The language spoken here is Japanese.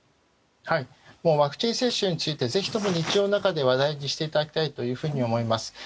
ワクチン接種についてぜひとも、日常の中で話題にしていただきたいと思います。